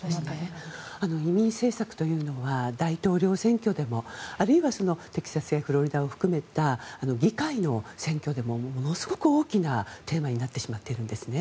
移民政策というのは大統領選挙でもあるいはテキサスやフロリダを含めた議会の選挙でもものすごく大きなテーマになってしまっているんですね。